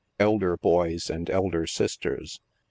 Elder boys and elder sisters.